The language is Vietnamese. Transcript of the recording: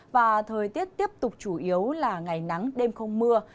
và thời tiết tiếp tục chủ yếu là ngày nắng đêm không mưa